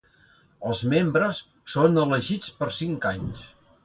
Els membres són elegits per cinc anys.